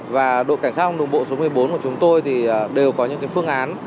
và đội cảnh sát không đồng bộ số một mươi bốn của chúng tôi thì đều có những phương án